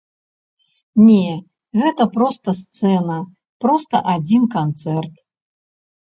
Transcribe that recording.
Не, гэта проста сцэна, проста адзін канцэрт.